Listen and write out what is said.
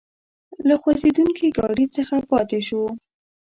له خوځېدونکي ګاډي څخه پاتې شوو.